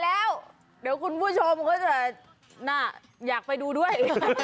พอแล้วเดี๋ยวคุณผู้ชมก็จะน่ะอยากไปดูด้วย